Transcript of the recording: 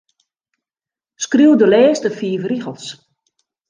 Skriuw de lêste fiif rigels.